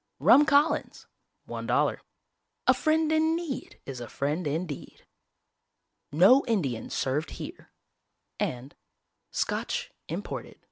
"RUM COLLINS $1" "A FRIEND IN NEED IS A FRIEND INDEED" "NO INDIANS SERVED HERE" and "SCOTCH IMPORTED, $1.